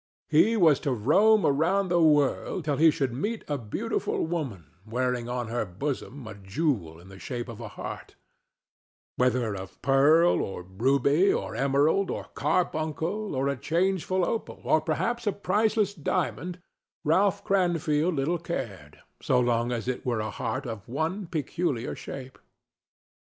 He was to roam around the world till he should meet a beautiful woman wearing on her bosom a jewel in the shape of a heart—whether of pearl or ruby or emerald or carbuncle or a changeful opal, or perhaps a priceless diamond, Ralph Cranfield little cared, so long as it were a heart of one peculiar shape.